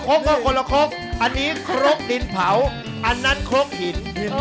กว่าคนละครกอันนี้ครกดินเผาอันนั้นครกหิน